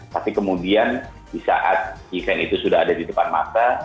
tapi kemudian di saat event itu sudah ada di depan mata